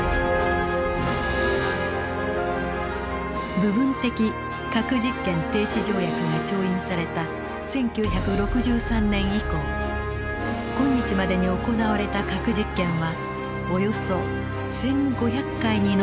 部分的核実験停止条約が調印された１９６３年以降今日までに行われた核実験はおよそ１，５００回に上ると見られています。